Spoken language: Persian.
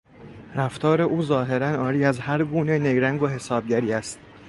رفتار او ظاهرا عاری از هرگونه نیرنگ و حسابگری است.